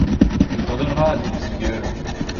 On t'en donnera des "Qui gueule"!